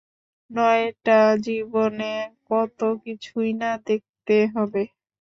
নয়টা জীবনে কত কিছুই না দেখতে হবে।